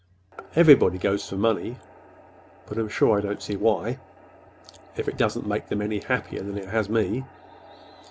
Everybody goes for money; but I'm sure I don't see why—if it doesn't make them any happier than it has me!